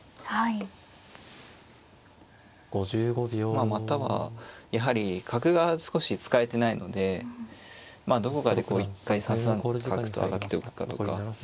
まあまたはやはり角が少し使えてないのでまあどこかでこう一回３三角と上がっておくかとか。